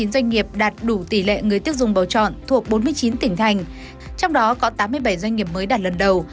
sáu trăm tám mươi chín doanh nghiệp đạt đủ tỷ lệ người tiêu dùng bầu chọn thuộc bốn mươi chín tỉnh thành trong đó có tám mươi bảy doanh nghiệp mới đạt lần đầu